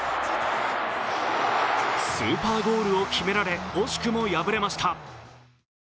スーパーゴールを決められ、惜しくも敗れました。